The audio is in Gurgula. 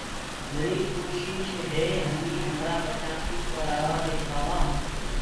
همريٚ ڪوشيٚش هي هميٚنٚ همرآ ٻچآنڪوُ پڙهآوآنٚ لکآوآنٚ۔